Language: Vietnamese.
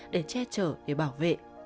để che chở để bảo vệ